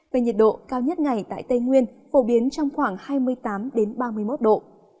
về nhiệt độ cao nhất ngày tại tây nguyên phổ biến trong khoảng hai mươi tám ba mươi một độ